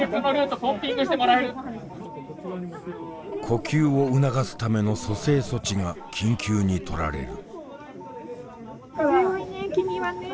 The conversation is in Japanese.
呼吸を促すための蘇生措置が緊急に取られる。